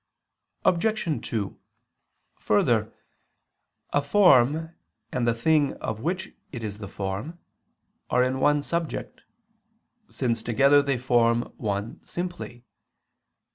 Obj. 2: Further, a form and the thing of which it is the form are in one subject, since together they form one simply.